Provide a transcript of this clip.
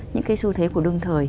những cái xu thế của đương thời